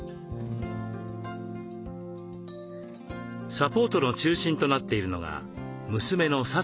サポートの中心となっているのが娘の幸子さんです。